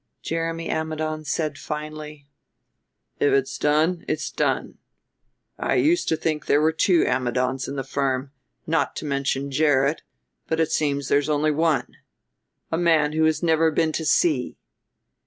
Jeremy Ammidon said finally: "If it's done it's done. I used to think there were two Ammidons in the firm, not to mention Gerrit; but it seems there's only one. A man who has never been to sea."